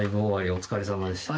お疲れさまでした。